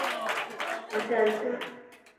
مٿي هلسان.